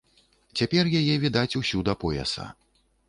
Цяпер яе відаць усю да пояса.